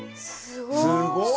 すごい！